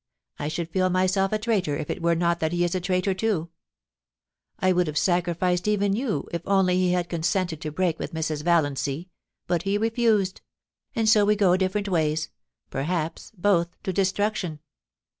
I should feel myself a traitor if it were not that he is a traitor too. ... I would have sacrificed even you if only he had consented to break with Mrs. Valiancy — but he refused — and so we go different ways, perhaps both to destruction.